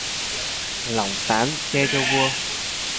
Lọng tán che cho vua